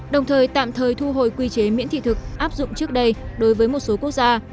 đồng thời tạm thời thu hồi quy chế miễn thị thực áp dụng trước đây đối với một số quốc gia